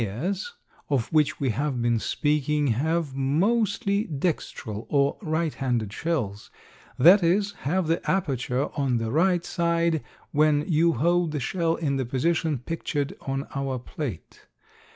The Limnaeas of which we have been speaking have mostly dextral or right handed shells, that is, have the aperture on the right side when you hold the shell in the position pictured on our plate.